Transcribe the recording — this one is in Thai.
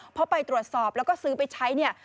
พอไปตรวจสอบแล้วก็ซื้อไปใช้เนี่ย